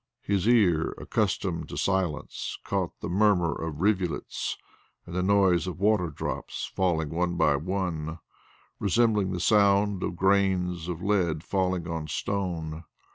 His ear, accustomed to silence, caught the murmur of rivulets, and the noise of water drops, falling one by one, resembling the sound of grains of lead falling on stone.